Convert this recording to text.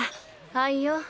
はいよ。